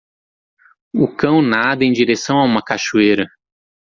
O cão nada em direção a uma cachoeira.